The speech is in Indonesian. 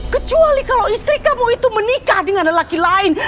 kecuali kalau istri kamu itu menikah dengan lelaki lain